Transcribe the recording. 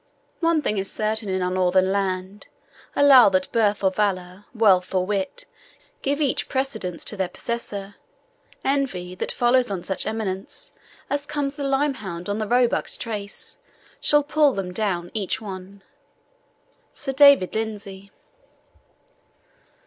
One thing is certain in our Northern land Allow that birth or valour, wealth or wit, Give each precedence to their possessor, Envy, that follows on such eminence, As comes the lyme hound on the roebuck's trace, Shall pull them down each one. SIR DAVID LINDSAY.